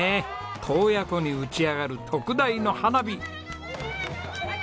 洞爺湖に打ち上がる特大の花火！